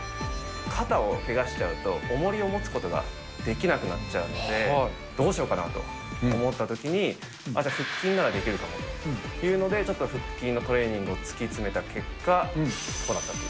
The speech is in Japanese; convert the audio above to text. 肩をけがしちゃうと、おもりを持つことができなくなっちゃうので、どうしようかなと思ったときに、あ、じゃあ腹筋ならできるかもということで、ちょっと腹筋のトレーニングを突き詰めた結果、こうなっちゃった。